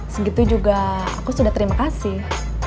segitu juga aku sudah terima kasih